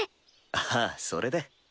ああそれで。